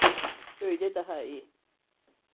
Böyle daha iyi.